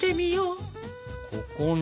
ここに？